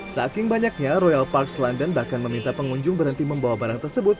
saking banyaknya royal parks london bahkan meminta pengunjung berhenti membawa barang tersebut